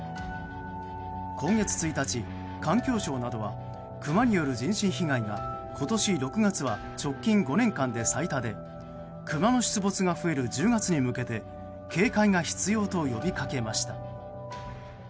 今月１日、環境省などはクマによる人身被害が今年６月は直近５年間で最多でクマの出没が増える１０月に向けて警戒が必要と呼びかけました。